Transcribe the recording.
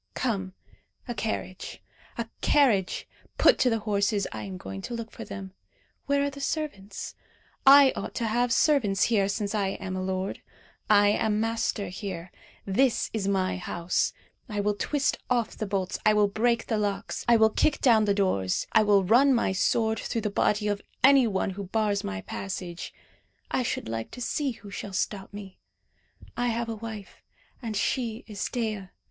Come! a carriage, a carriage! put to the horses. I am going to look for them. Where are the servants? I ought to have servants here, since I am a lord. I am master here. This is my house. I will twist off the bolts, I will break the locks, I will kick down the doors, I will run my sword through the body of any one who bars my passage. I should like to see who shall stop me. I have a wife, and she is Dea.